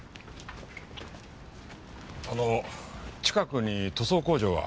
あの近くに塗装工場は？